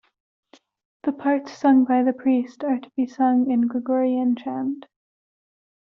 The parts sung by the priest are to be sung in Gregorian chant.